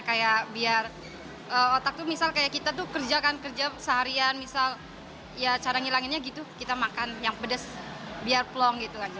kayak biar otak tuh misal kayak kita tuh kerjakan kerja seharian misal ya cara ngilanginnya gitu kita makan yang pedes biar plong gitu kan